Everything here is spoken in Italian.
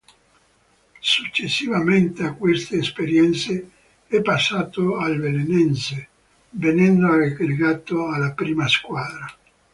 Successivamente a queste esperienze, è passato al Belenenses, venendo aggregato alla prima squadra.